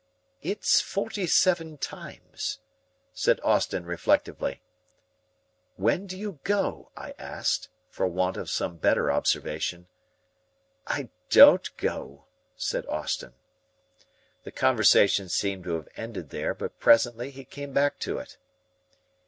"It's forty seven times," said Austin reflectively. "When do you go?" I asked, for want of some better observation. "I don't go," said Austin. The conversation seemed to have ended there, but presently he came back to it.